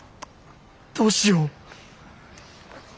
どうしよう。